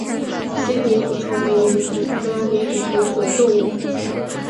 抚仙粘体虫为粘体科粘体虫属的动物。